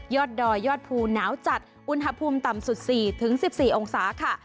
ดอยยอดภูหนาวจัดอุณหภูมิต่ำสุด๔๑๔องศาค่ะ